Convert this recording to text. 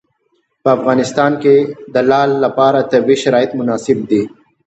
په افغانستان کې د لعل لپاره طبیعي شرایط مناسب دي.